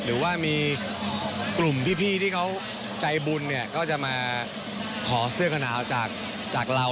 หรือว่ามีกลุ่มพี่ที่เขาใจบุญเนี่ยก็จะมาขอเสื้อกระหนาวจากเรา